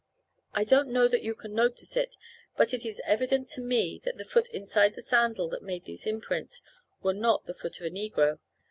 I don't know that you can notice it, but it is evident to me that the foot inside the sandal that made these imprints were not the foot of a Negro.